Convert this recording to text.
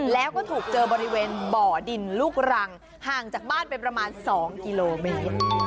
แล้วก็ถูกเจอบริเวณบ่อดินลูกรังห่างจากบ้านไปประมาณ๒กิโลเมตร